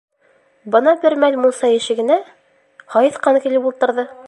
Бына бер мәл мунса ишегенә... һайыҫҡан килеп ултырҙы.